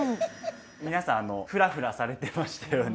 皆さんフラフラされてましたよね。